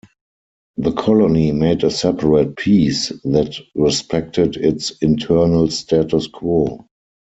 The colony made a separate peace that respected its internal status quo.